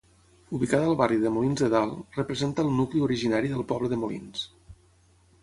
Ubicada al barri de Molins de Dalt, representa el nucli originari del poble de Molins.